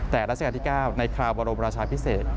แต่ราชการที่๙ในคราวบรมราชาพิเศษ